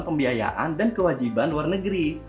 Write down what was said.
pembiayaan dan kewajiban luar negeri